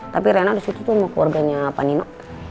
tapi rena disitu tuh sama keluarganya panino